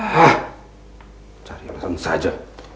hah cari alasan saja